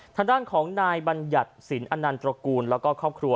ทางด้านของนายบัญญัติสินอนันตระกูลแล้วก็ครอบครัว